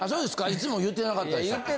いつも言ってなかったでしたっけ。